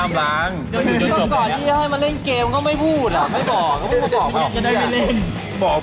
ก่อนที่พี่ขอให้มาเล่นเกมก็ไม่พูดไม่บอก